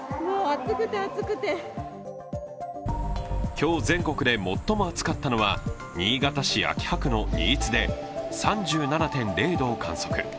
今日全国で最も暑かったのは新潟市秋葉区の新津で３７．０度を観測。